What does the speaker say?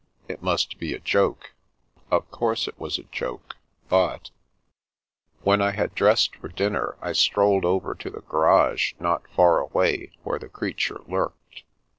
It must be a joke. Of course it was a joke, but When I had dressed for dinner, I strolled over to the garage not far away where the creature lurked.